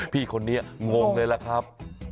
พี่คนนี้งงเลยล่ะครับ